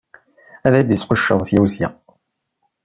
Ad d-isqucceḍ sya u sya.